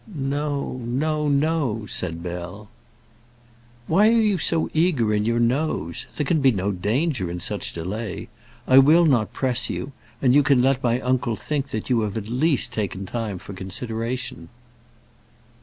"No, no, no," said Bell. "Why are you so eager in your noes? There can be no danger in such delay. I will not press you, and you can let my uncle think that you have at least taken time for consideration."